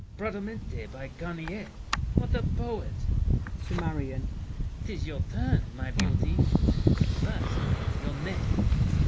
"Bradamante" By Garnier; what a poet! [To Marion.] 'Tis your turn, My beauty. First, your name.